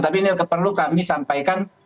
tapi ini perlu kami sampaikan